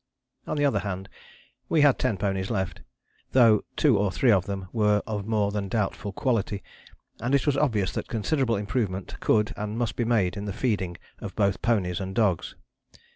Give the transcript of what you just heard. On the other hand, we had ten ponies left, though two or three of them were of more than doubtful quality; and it was obvious that considerable improvement could and must be made in the feeding of both ponies and dogs.